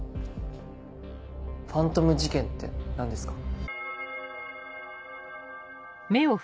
ファントム事件って何ですか？